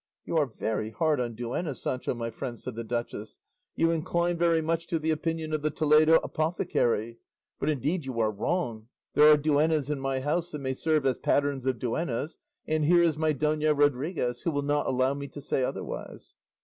"You are very hard on duennas, Sancho my friend," said the duchess; "you incline very much to the opinion of the Toledo apothecary. But indeed you are wrong; there are duennas in my house that may serve as patterns of duennas; and here is my Dona Rodriguez, who will not allow me to say otherwise."